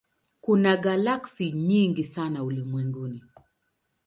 Kuna galaksi nyingi sana ulimwenguni.